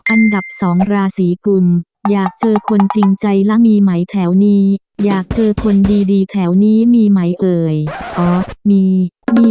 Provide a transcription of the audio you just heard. อันดับสองราศีกุลอยากเจอคนจริงใจและมีไหมแถวนี้อยากเจอคนดีแถวนี้มีไหมเอ่ยอ๋อมีมี